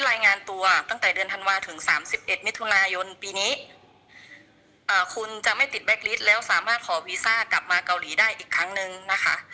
รายงานตัวตั้งแต่เดือนธันวาถึงสามสิบเอ็ดมิถุนายนปีนี้คุณจะไม่ติดแบ็คลิสต์แล้วสามารถขอวีซ่ากลับมาเกาหลีได้อีกครั้งนึงนะคะ